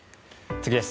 次です。